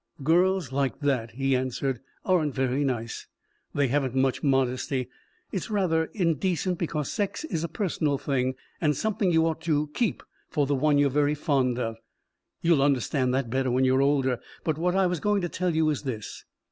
"Girls like that," he answered, "aren't very nice. They haven't much modesty. It's rather indecent, because sex is a personal thing and something you ought to keep for the one you're very fond of. You'll understand that better when you're older. But what I was going to tell you is this.